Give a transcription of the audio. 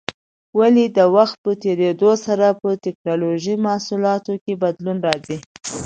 ولې د وخت په تېرېدو سره په ټېکنالوجۍ محصولاتو کې بدلون راځي؟